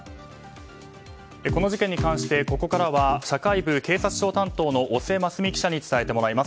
この事件に関してここからは社会部警視庁担当の尻瀬真澄記者に伝えてもらいます。